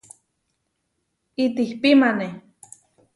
Itihpímane.